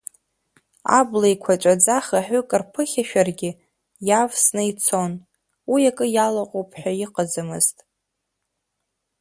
Абла еиқәаҵәаӡа хаҳәык рԥыхьашәаргьы, иавсны ицон, уи акы иалаҟоуп ҳәа иҟаӡамызт.